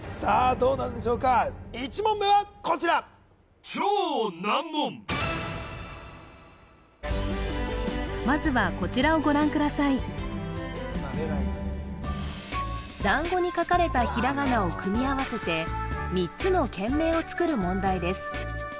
どうなるでしょうか１問目はこちらまずはだんごに書かれたひらがなを組み合わせて３つの県名をつくる問題です